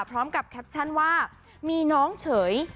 พร้อมกับแคปชั่นว่ามีน้องเฉย